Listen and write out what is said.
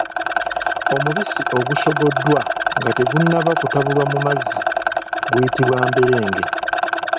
Omubisi ogusogoddwa nga tegunnaba kutabulwamu mazzi guyitibwa mberenge.